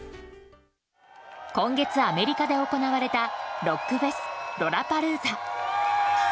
今月、アメリカで行われたロックフェス、ロラパルーザ。